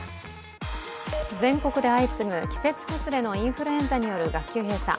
全国で相次ぐ季節外れのインフルエンザによる学級閉鎖。